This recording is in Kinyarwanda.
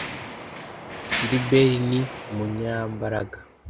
Gilbert ni umunyembaraga